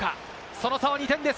その差は２点です。